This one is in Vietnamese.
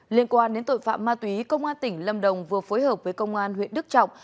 liên quan đến tội phạm ma túy công an tỉnh lâm đồng vừa phối hợp với công an huyện đức trọng